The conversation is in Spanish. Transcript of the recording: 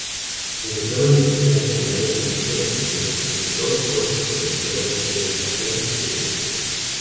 Ingresó a la Universidad Nacional de Trujillo, donde cursó dos especialidades: Educación y Derecho.